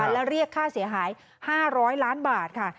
และเรียกค่าเสียหาย๕๐๐ล้านบาทค่ะ